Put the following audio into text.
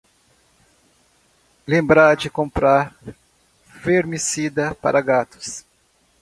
Lembrar de comprar vermicida para gatos